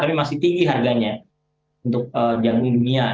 tapi masih tinggi harganya untuk jagung dunia